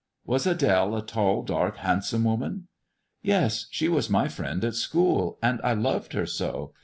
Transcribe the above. Was AdMe a tall, dark, handsome woman )"" Yes. She was my friend at school, and I loved her so.